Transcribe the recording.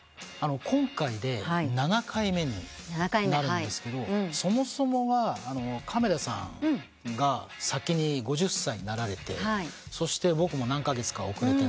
今回で７回目になるんですけどそもそもは亀田さんが先に５０歳になられてそして僕も何カ月か遅れてなって。